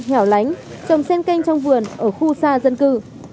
hẻo lánh trồng sen canh trong vườn ở khu xa dân cư